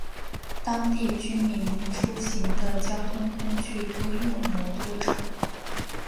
当地居民出行的交通工具多用摩托车。